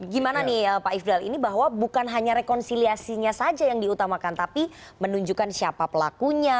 gimana nih pak ifdal ini bahwa bukan hanya rekonsiliasinya saja yang diutamakan tapi menunjukkan siapa pelakunya